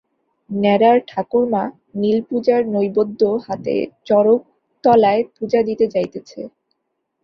নেড়ার ঠাকুরমা নীলপূজার নৈবেদ্য হাতে চড়কতলায় পূজা দিতে যাইতেছে।